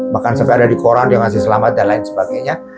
bahkan sampai ada di koran dia ngasih selamat dan lain sebagainya